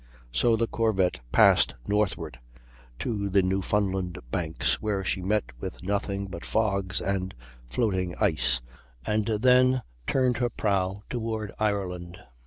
So the corvette passed northward to the Newfoundland Banks, where she met with nothing but fogs and floating ice, and then turned her prow toward Ireland.